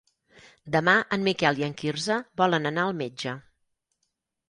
Demà en Miquel i en Quirze volen anar al metge.